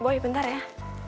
boy bentar ya